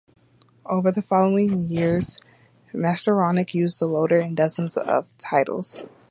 Over the following years, Mastertronic used the loader in dozens of titles.